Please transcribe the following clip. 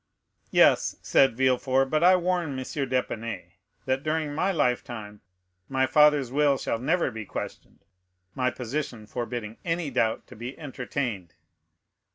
"Yes." said Villefort; "but I warn M. d'Épinay, that during my life time my father's will shall never be questioned, my position forbidding any doubt to be entertained."